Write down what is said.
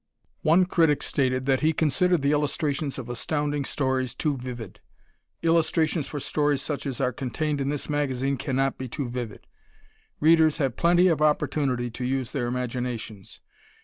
One critic stated that he considered the illustrations of Astounding Stories too vivid. Illustrations for stories such as are contained in this magazine cannot be too vivid. Readers have plenty of opportunity to use their imaginations.